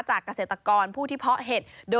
เกษตรกรผู้ที่เพาะเห็ด